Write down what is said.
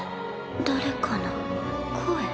誰かの声？